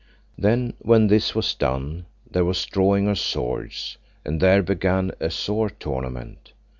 Then when this was done there was drawing of swords, and then there began a sore tournament.